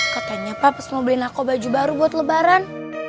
katanya paps mau beliin aku baju baru buat lebaran